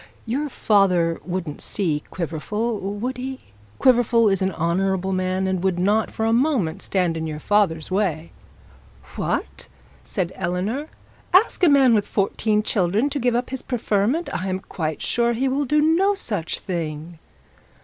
Your father wouldn't see Quiverful, would he? Quiverful is an honourable man, and would not, for a moment, stand in your father's way.' 'What?' said Eleanor; 'ask a man with fourteen children to give up his preferment! I am quite sure he will do no such thing.'